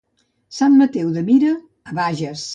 Sant Mateu de Mira a Bages.